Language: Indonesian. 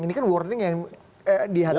ini kan warning yang dihadapi